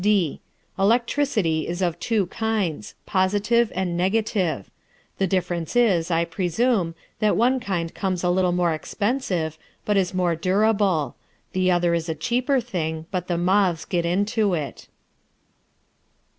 (d) Electricity is of two kinds, positive and negative. The difference is, I presume, that one kind comes a little more expensive, but is more durable; the other is a cheaper thing, but the moths get into it.